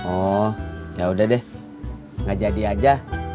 oh yaudah deh gak jadi aja